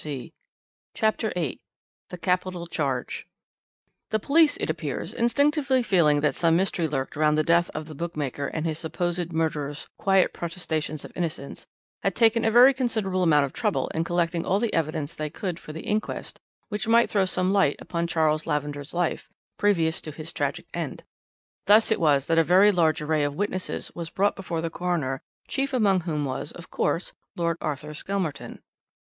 CHAPTER VIII THE CAPITAL CHARGE "The police, it appears, instinctively feeling that some mystery lurked round the death of the bookmaker and his supposed murderer's quiet protestations of innocence, had taken a very considerable amount of trouble in collecting all the evidence they could for the inquest which might throw some light upon Charles Lavender's life, previous to his tragic end. Thus it was that a very large array of witnesses was brought before the coroner, chief among whom was, of course, Lord Arthur Skelmerton.